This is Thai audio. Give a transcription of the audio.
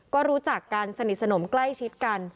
ก็รู้จักกันสนิทสนมใกล้ชิดกัน